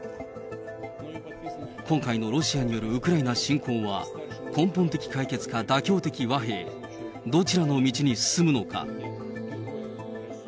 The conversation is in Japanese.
今回のロシアによるウクライナ侵攻は、根本的解決か、妥協的和平、どちらの道に進むのか。